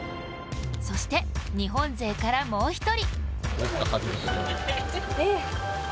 そして日本勢からもう一人。